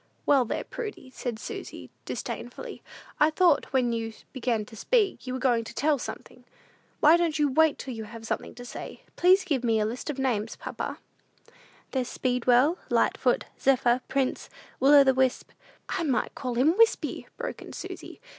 "Well, there, Prudy," said Susy, disdainfully, "I thought, when you began to speak, you was going to tell something! Why don't you wait till you have something to say? Please give me a list of names, papa." "There's Speedwell, Lightfoot, Zephyr, Prince, Will o' the wisp " "I might call him Wispy," broke in Susy.